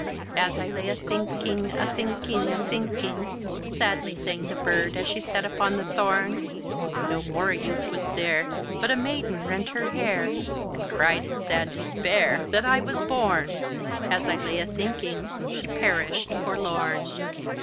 As I laye a thynkynge, a thynkynge, a thynkynge, Sadly sang the Birde as she sat upon the thorne; No more a youth was there, But a Maiden rent her haire, And cried in sad despaire, "That I was borne!" As I laye a thynkynge, she perished forlorne.